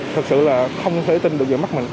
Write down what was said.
thật sự là không thể tin được về mắt mình